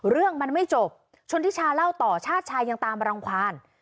เรื่องมันไม่จบชนทิชาเล่าต่อชาติชายยังตามมารังความ